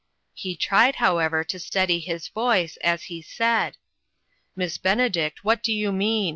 He tried, how ever, to steady his voice as he said: " Miss Benedict, what do you mean